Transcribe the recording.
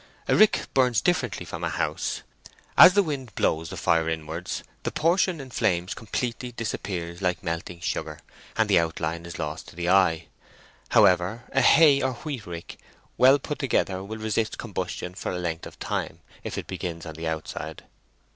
A rick burns differently from a house. As the wind blows the fire inwards, the portion in flames completely disappears like melting sugar, and the outline is lost to the eye. However, a hay or a wheat rick, well put together, will resist combustion for a length of time, if it begins on the outside.